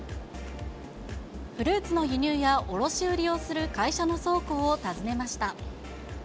フルーツの輸入や卸売りをする会社の倉庫を訪ねました。